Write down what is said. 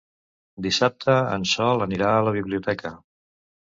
Dissabte en Sol anirà a la biblioteca.